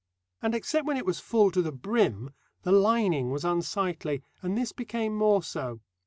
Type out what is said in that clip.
And except when it was full to the brim, the lining was unsightly; and this became more so.